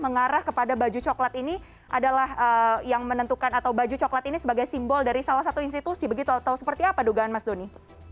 mengarah kepada baju coklat ini adalah yang menentukan atau baju coklat ini sebagai simbol dari salah satu institusi begitu atau seperti apa dugaan mas doni